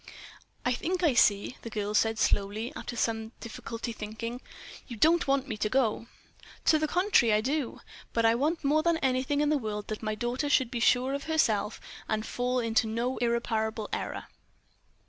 "I think I see," the girl said, slowly, after some difficult thinking. "You don't want me to go." "To the contrary, I do—but I want more than anything else in the world that my daughter should be sure of herself and fall into no irreparable error."